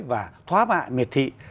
và thoá mạ miệt thị